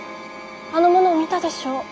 あの者を見たでしょう？